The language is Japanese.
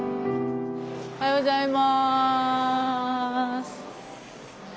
おはようございます。